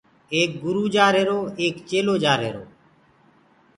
ايڪ گرُو جآرهيرو ايڪ چيلهو جآرهيرو۔